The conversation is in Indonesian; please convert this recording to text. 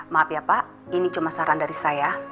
maaf ya pak ini cuma saran dari saya